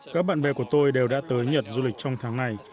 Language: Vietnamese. các bạn bè của tôi đều đã tới nhật du lịch trong tháng này